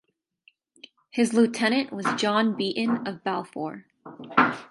His lieutenant was John Beaton of Balfour.